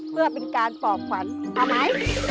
เพื่อเป็นการปลอบพื้นแล้วไหม